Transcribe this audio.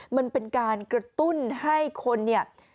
มันเป็นการกระตุ้นให้คนเนี่ย